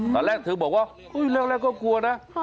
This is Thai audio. ตอนแรกเธอบอกว่าแรกก็กลัวนะ